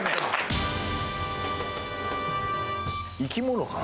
生き物かな？